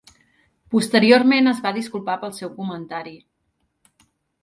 Posteriorment es va disculpar pel seu comentari.